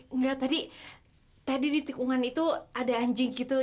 enggak tadi di tikungan itu ada anjing gitu